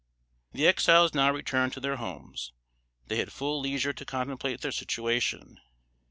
The Exiles now returned to their homes. They had full leisure to contemplate their situation.